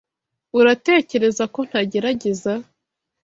Uratekereza ko ntagerageza?